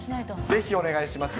ぜひお願いします。